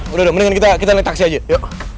udah udah mendingan kita naik taksi aja yuk